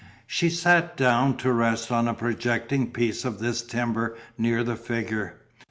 She sat down to rest on a projecting piece of this timber near the figure.